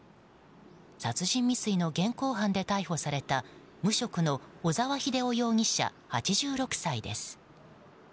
殺人未遂の現行犯で逮捕された無職の小沢秀夫容疑者８６歳です。